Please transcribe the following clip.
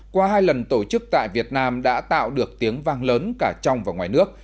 qua hai lần tổ chức tại việt nam đã tạo được tiếng vang lớn cả trong và ngoài nước